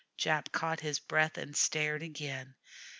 Jap caught his breath and stared again.